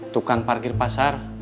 tukan parkir pasar